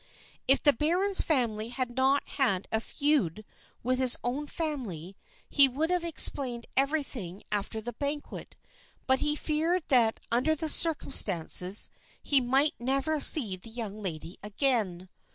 If the baron's family had not had a feud with his own family, he would have explained everything after the banquet, but he feared that, under the circumstances, he might never see the young lady again.